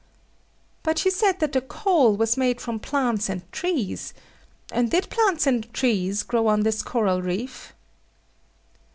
But you said that the coal was made from plants and trees, and did plants and trees grow on this coral reef?